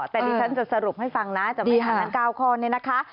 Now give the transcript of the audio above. แต่ดิฉันจะสรุปให้ฟังนะจะมีทั้ง๙ข้อนี้นะคะ